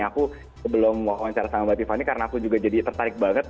aku sebelum wawancara sama mbak tiffany karena aku juga jadi tertarik banget